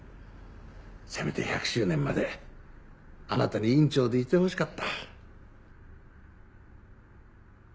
せめて１００周年まであなたに院長でいてほしかった。